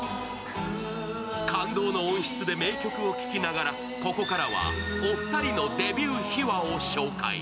感動の音質で名曲を聴きながら、ここからは、お二人のデビュー秘話をご紹介。